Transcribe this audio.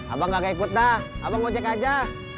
abang gak kekut dah abang ocek aja